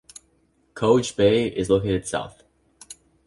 Køge Bay is located South.